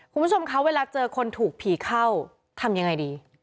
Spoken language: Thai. คุณผู้ชมคะเวลาเจอคนถูกผีเข้าทำยังไงดี